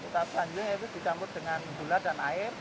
tahap selanjutnya itu ditampuk dengan gula dan air